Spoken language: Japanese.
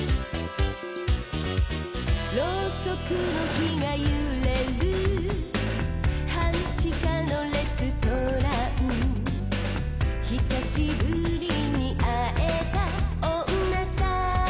「ろうそくの火が揺れる」「半地下のレストラン」「久しぶりに会えた女３人ね」